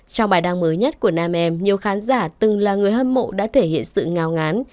trong bài đăng mới nhất của nam em nhiều khán giả từng là người hâm mộ đã thể hiện sự ngào ngán